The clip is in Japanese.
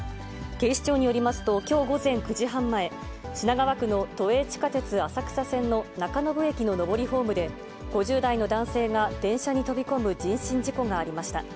警視庁によりますと、きょう午前９時半前、品川区の都営地下鉄浅草線の中延駅の上りホームで、５０代の男性が電車に飛び込む人身事故がありました。